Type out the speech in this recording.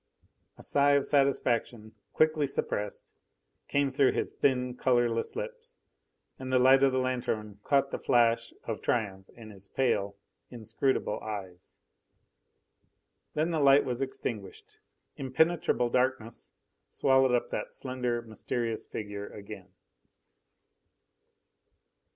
A sigh of satisfaction, quickly suppressed, came through his thin, colourless lips, and the light of the lanthorn caught the flash of triumph in his pale, inscrutable eyes. Then the light was extinguished. Impenetrable darkness swallowed up that slender, mysterious figure again.